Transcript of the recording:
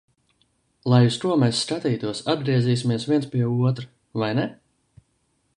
Lai uz ko mēs skatītos, atgriezīsimies viens pie otra, vai ne?